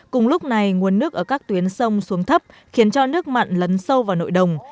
cùng lúc này nguồn nước ở các tuyến sông xuống thấp khiến cho nước mặn lấn sâu vào nội đồng